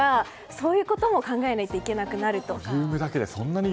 そういうことも考えないといけなくなると。